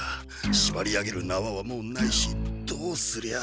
しばり上げるなわはもうないしどうすりゃあ。